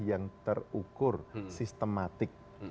yang terukur sistematik